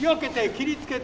切りつけて。